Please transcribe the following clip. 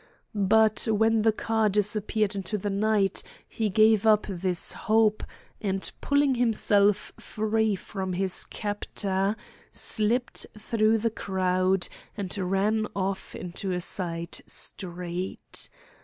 But when the car disappeared into the night he gave up this hope, and pulling himself free from his captor, slipped through the crowd and ran off into a side street.